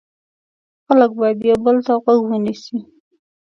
خلک باید یو بل ته غوږ ونیسي.